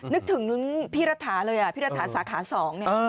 นึกถึงพี่รัทธาเลยพี่รัทธาสาขาสอง